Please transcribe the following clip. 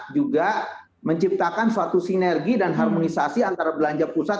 juga menciptakan suatu sinergi dan harmonisasi antara belanja pusat